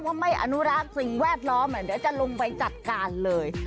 ไม่อนุรักษ์สิ่งแวดล้อมเดี๋ยวจะลงไปจัดการเลย